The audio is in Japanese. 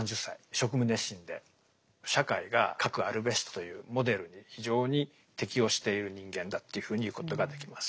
職務熱心で社会がかくあるべしというモデルに非常に適応している人間だというふうに言うことができます。